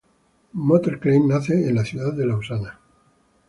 Motter-Klein, nace en la ciudad de Lausana.